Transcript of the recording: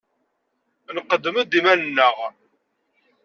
Nqeddem-d iman-nneɣ.